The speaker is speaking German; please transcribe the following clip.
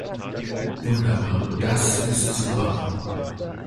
Wunderbar, das ist super.